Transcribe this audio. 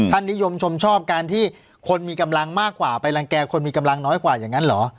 นิยมชมชอบการที่คนมีกำลังมากกว่าไปรังแก่คนมีกำลังน้อยกว่าอย่างนั้นเหรอ